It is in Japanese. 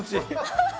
ハハハハ！